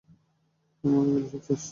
আমি মরে গেলে, সব শেষ।